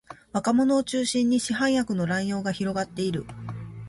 若者を中心に市販薬の乱用が広がっている